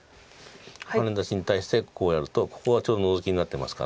ハネ出しに対してこうやるとここがちょうどノゾキになってますから。